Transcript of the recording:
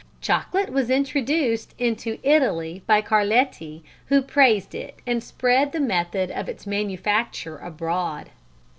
Chocolate was introduced into Italy by Carletti, who praised it and spread the method of its manufacture abroad.